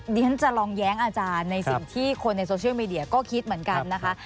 เดี๋ยวฉันจะลองแย้งอาจารย์ในสิ่งที่คนในโซเชียลมีเดียก็คิดเหมือนกันนะคะ